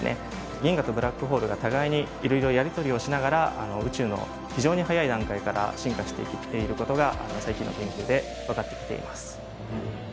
銀河とブラックホールが互いにいろいろやり取りをしながら宇宙の非常に早い段階から進化してきていることが最近の研究で分かってきています。